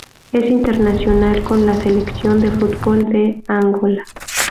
Es internacional con la selección de fútbol de Angola.